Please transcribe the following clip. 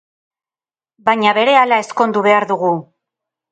Baina berehala ezkondu behar dugu!